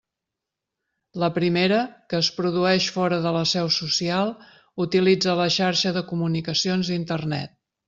La primera, que es produeix fora de la seu social, utilitza la xarxa de comunicacions d'internet.